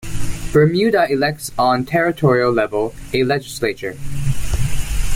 Bermuda elects on territorial level a legislature.